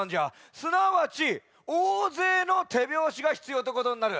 すなわちおおぜいのてびょうしがひつようってことになる。